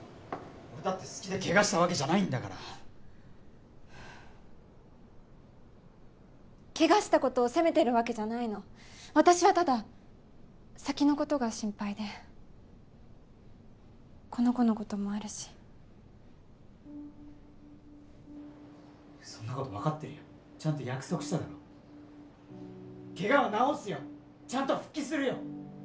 俺だって好きでケガしたわけじゃないんだからケガしたことを責めてるわけじゃないの私はただ先のことが心配でこの子のこともあるしそんなこと分かってるよちゃんと約束しただろケガを治すよちゃんと復帰するよ